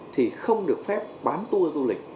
thì không được phép bán tour du lịch